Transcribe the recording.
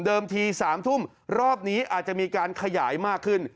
ที๓ทุ่มรอบนี้อาจจะมีการขยายมากขึ้น